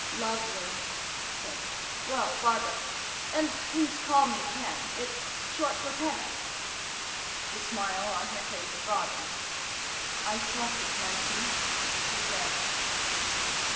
"Lovely," he said. "Well, Barbara and please call me Ken. It's short for Kenneth." The smile on her face broadened. "I thought it might be," she said.